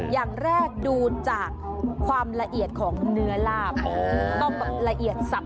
อย่างแรกดูจากความละเอียดของเนื้อราบ